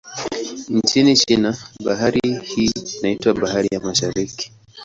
Nchini China, bahari hii inaitwa Bahari ya Mashariki.